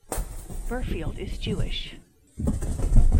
Berfield is Jewish.